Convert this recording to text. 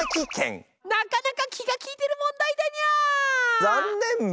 なかなか気が利いてる問題だニャ！